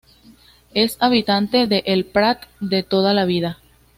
Es habitante de el Prat de toda la vida.